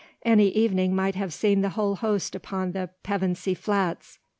Any evening might have seen the whole host upon the Pevensey Flats.